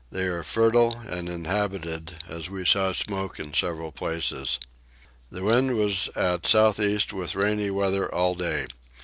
They are fertile and inhabited, as I saw smoke in several places. The wind was at south east with rainy weather all day.